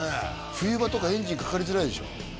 冬場とかエンジンかかりづらいでしょ？